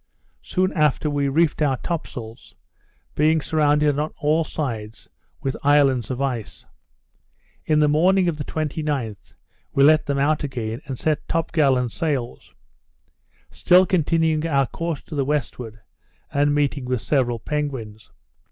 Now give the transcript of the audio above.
Soon after we reefed our top sails, being surrounded on all sides with islands of ice. In the morning of the 29th we let them out again, and set top gallant sails; still continuing our course to the westward, and meeting with several penguins.